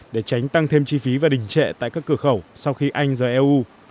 để tránh tăng thêm chi phí và đình trệ tại các cửa khẩu sau khi anh rời eu